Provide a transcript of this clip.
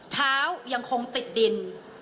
เท้ายังคงติดดิน